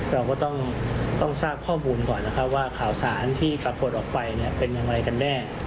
เราก็ต้องทราบข้อมูลก่อนนะครับว่าข่าวสารที่ปรากฏออกไปเป็นอย่างไรกันแน่